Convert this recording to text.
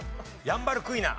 ヤンバルクイナ。